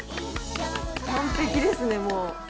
完璧ですね、もう。